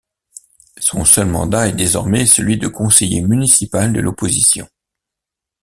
Son seul mandat est désormais celui de conseiller municipal de l'opposition.